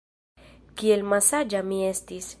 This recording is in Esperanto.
Kiel malsaĝa mi estis!